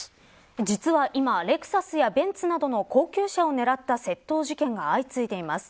実は今、レクサスやベンツなどの高級車をねらった窃盗事件が相次いでいます。